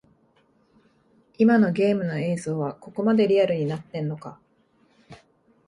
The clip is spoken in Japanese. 今のゲームの映像はここまでリアルになってんのか